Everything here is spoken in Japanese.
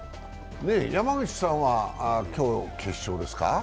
山口さんは今日、決勝ですか。